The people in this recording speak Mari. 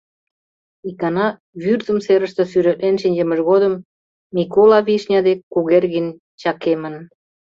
Икана Вӱрзым серыште сӱретлен шинчымыж годым Микола Вишня дек Кугергин чакемын.